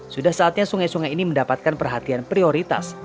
sudah saatnya sungai sungai ini mendapatkan perhatian prioritas